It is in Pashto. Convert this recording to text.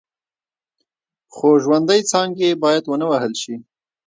خو ژوندۍ څانګې باید ونه وهل شي.